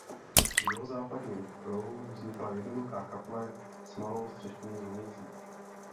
V jihozápadním rohu vznikla jednoduchá kaple s malou střešní zvonicí.